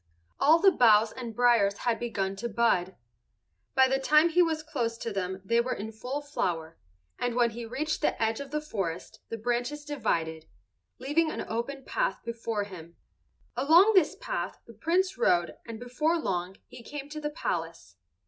All the boughs and briers had begun to bud. By the time he was close to them they were in full flower, and when he reached the edge of the forest the branches divided, leaving an open path before him. Along this path the Prince rode and before long he came to the palace.